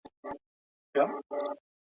ټاکني د حکومتونو د جوړولو قانوني لار ده.